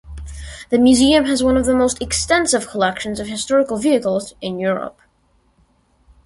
The museum has one of the most extensive collections of historical vehicles in Europe.